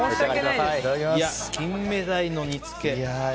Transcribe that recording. キンメダイの煮つけ。